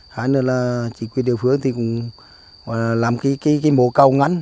hai nữa là chính quyền địa phương thì cũng làm cái mố cầu ngắn